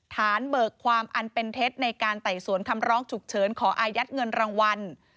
เบิกความอันเป็นเท็จในการไต่สวนคำร้องฉุกเฉินขออายัดเงินรางวัล